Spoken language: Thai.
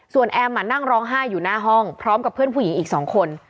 ส่วนแอมนั่งร้องไห้อยู่หน้าห้องพร้อมกับเพื่อนผู้หญิงอีก๒คน